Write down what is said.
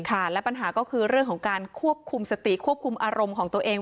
ค่ะและปัญหาก็คือเรื่องของการควบคุมสติควบคุมอารมณ์ของตัวเอง